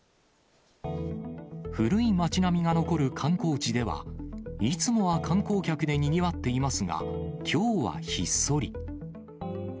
古い町並みが残る観光地では、いつもは観光客でにぎわっていますが、きょうはひっそり。